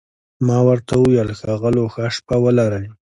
ما ورته وویل: ښاغلو، ښه شپه ولرئ.